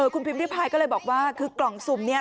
คุณพิมพิพายก็เลยบอกว่าคือกล่องสุ่มเนี่ย